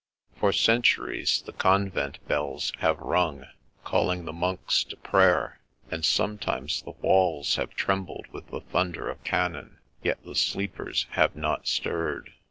For centuries the convent bells have rung, calling the monks to prayer ; and sometimes the walls have trembled with the thunder of cannon; yet the sleepers have not stirred.